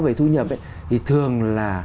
về thu nhập thì thường là